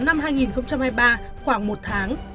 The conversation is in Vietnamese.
năm hai nghìn hai mươi ba khoảng một tháng